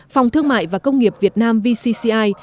phòng thương mại và công nghiệp việt nam vcci